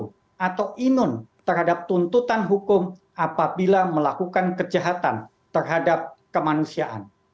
kita selamanya berlindung atau imun terhadap tuntutan hukum apabila melakukan kejahatan terhadap kemanusiaan